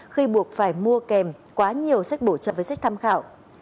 khi buộc phải mua kèm quá nhiều sách bổ trợ với sách tham khảo